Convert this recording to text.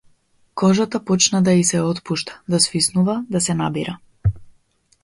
Кожата почна да и се отпушта, да свиснува, да се набира.